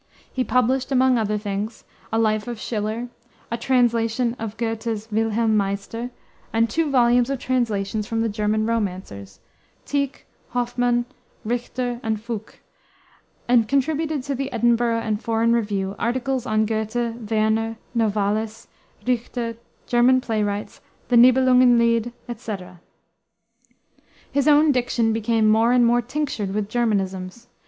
He published, among other things, a Life of Schiller, a translation of Goethe's Wilhelm Meister, and two volumes of translations from the German romancers Tieck, Hoffmann, Richter, and Fouque, and contributed to the Edinburgh and Foreign Review, articles on Goethe, Werner, Novalis, Richter, German playwrights, the Nibelungen Lied, etc. His own diction became more and more tinctured with Germanisms.